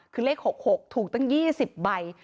คือเลข๖๖ถูกตั้ง๒๐ใบ